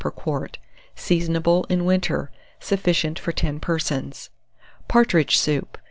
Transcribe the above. per quart. Seasonable in winter. Sufficient for 10 persons. PARTRIDGE SOUP.